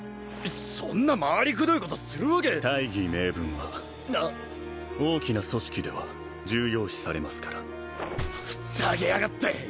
そんな回りくどいことするわけ大義名分は大きな組織では重要視されますからふざけやがって！